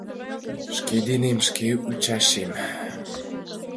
Шке денем шке ӱчашем.